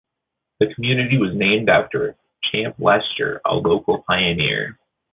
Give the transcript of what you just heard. The community was named after Champ Lester, a local pioneer.